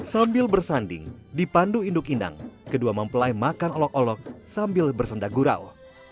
sambil bersanding di pandu induk indang kedua mempelai makan olok olok sambil bersendak gurau